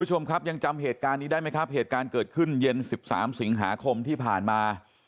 คุณผู้ชมครับยังจำเหตุการณ์นี้ได้ไหมครับเหตุการณ์เกิดขึ้นเย็น๑๓สิงหาคมที่ผ่านมา